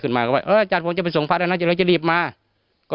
ขึ้นมาก็ว่าเอออาจารย์ผมจะไปส่งพระนะเดี๋ยวเราจะรีบมาก็